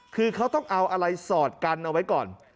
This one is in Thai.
คือเขาต้องเอาอะไรสอดกันเอาไว้ก่อน